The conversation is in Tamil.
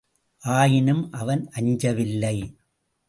ஆயினும் அவன் அஞ்சவில்லை.